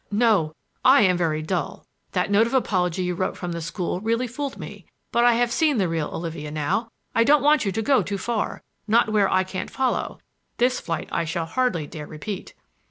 "No! I am very dull. That note of apology you wrote from the school really fooled me. But I have seen the real Olivia now. I don't want you to go too far—not where I can't follow—this flight I shall hardly dare repeat."